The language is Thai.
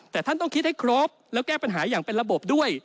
แต่ท่านต้องคิดให้ครบแล้วแก้ปัญหาอย่างเป็นระบบด้วย